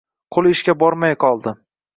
Qo‘li ishga bormay qoldi.